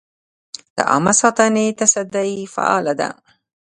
د عامه ساتنې تصدۍ فعال ده؟